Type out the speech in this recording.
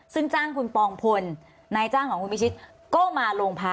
ซึ่งจ้างคุณปองพลนายจ้างของคุณพิชิตก็มาโรงพัก